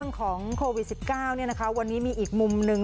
ของโควิด๑๙วันนี้มีอีกมุมหนึ่ง